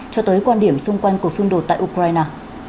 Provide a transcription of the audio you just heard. cho tới quan điểm xung quanh cuộc xung đột tại ukraine